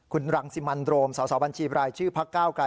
ขุนรังซีมันโดมสาวบัญชีปรายชื่อพระเก้ากาย